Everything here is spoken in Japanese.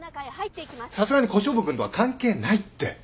さすがに小勝負君とは関係ないって。